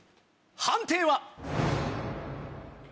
判定は？